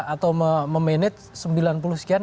atau memanage sembilan puluh sekian